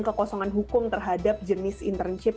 kekosongan hukum terhadap jenis internship